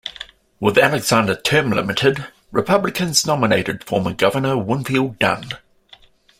With Alexander term-limited, Republicans nominated former Governor Winfield Dunn.